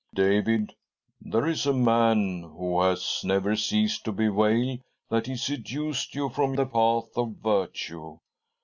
"" David, there is a man who. has never ceased to bewail that he seduced you from the path of virtue.